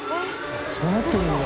そうなってるんだ。